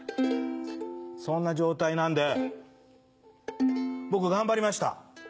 そんな状態なんで、僕、頑張りました。